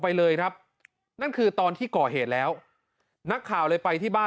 ไปเลยครับนั่นคือตอนที่ก่อเหตุแล้วนักข่าวเลยไปที่บ้าน